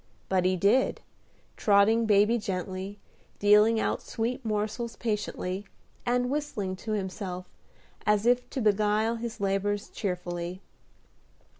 But he did, trotting baby gently, dealing out sweet morsels patiently, and whistling to himself, as if to beguile his labors cheerfully.